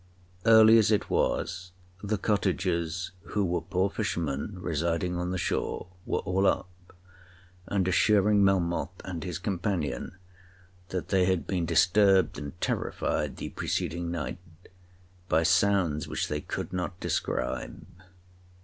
Early as it was, the cottagers, who were poor fishermen residing on the shore, were all up, and assuring Melmoth and his companion that they had been disturbed and terrified the preceding night by sounds which they could not describe.